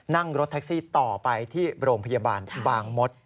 นั่งรถแท็กซี่ต่อไปที่โรงพยาบาลบางมด